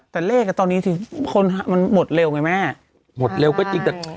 แต่เลขอ่ะตอนนี้สิคนมันหมดเร็วไงแม่หมดเร็วก็จริงแต่